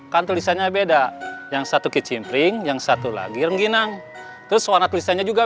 kan tulisannya beda yang satu kicimpring yang satu lagi rengginang terus warna tulisannya juga